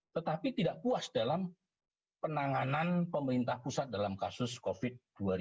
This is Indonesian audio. tetapi tidak puas dalam penanganan pemerintah pusat dalam kasus covid sembilan belas